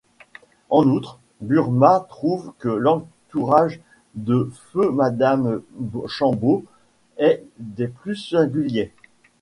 En outre, Burma trouve que l'entourage de feue Madame Chambaud est des plus singuliers.